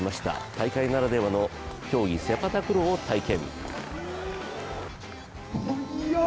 大会ならではの競技、セパタクローを体験。